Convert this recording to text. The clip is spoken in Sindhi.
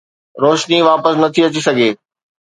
روشني واپس نٿي اچي سگهي